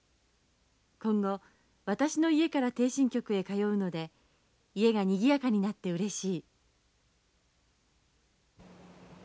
今後私の家からていしん局へ通うので家がにぎやかになってうれしい」。